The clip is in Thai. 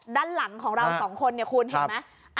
ด้านหลังของเรา๔คนเนี่ยคุณเห็นมั้ย